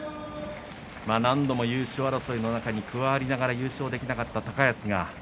何度も優勝争いの中に加わりながら優勝できなかった高安